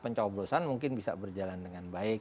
pencoblosan mungkin bisa berjalan dengan baik